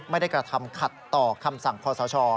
ไม่ได้กระทำขัดต่อคำสั่งคอสช